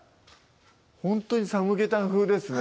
ほんとに「サムゲタン風」ですね